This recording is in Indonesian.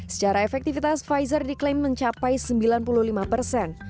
secara efektivitas pfizer diklaim mencapai sembilan puluh lima persen